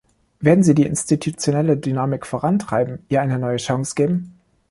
Werden Sie die institutionelle Dynamik vorantreiben, ihr eine neue Chance geben?